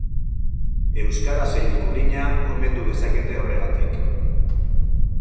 Euskara zein ikurriña omendu dezakete horregatik.